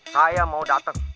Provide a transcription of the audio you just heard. saya mau dateng